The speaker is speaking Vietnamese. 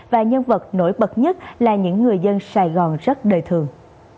và nhân vật nổi bật nhất là những người dân sài gòn rất đời thường